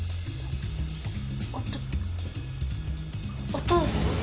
おおとお父さん？